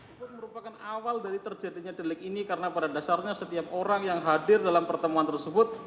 itu merupakan awal dari terjadinya delik ini karena pada dasarnya setiap orang yang hadir dalam pertemuan tersebut